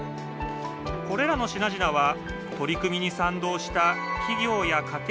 これらの品々は取り組みに賛同した企業や家庭が提供したもの。